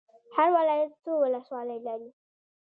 هر ولایت څو ولسوالۍ لري؟